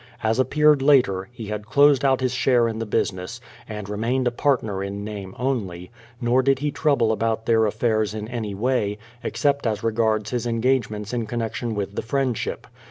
As appeared later, he had closed out his share in the business, and remained a partner in name only, nor did he trouble about their affairs in any way, except as regards his engagements in connection with the Friend ship.